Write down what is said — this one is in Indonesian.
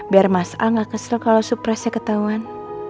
biar mas a gak kesel kalau surprise nya ketahuan